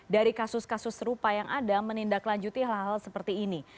dari kasus kasus serupa yang ada menindaklanjuti hal hal seperti ini